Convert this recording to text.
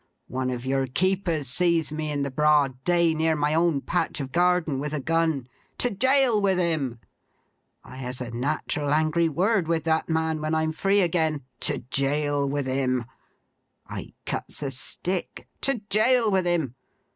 One of your keepers sees me in the broad day, near my own patch of garden, with a gun. To jail with him! I has a nat'ral angry word with that man, when I'm free again. To jail with him! I cuts a stick. To jail with him!